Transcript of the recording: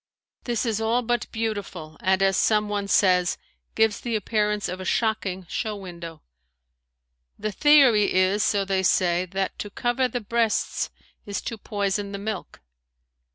This is all but beautiful and as some one says, gives the appearance of a shocking show window. The theory is, so they say, that to cover the breasts is to poison the milk.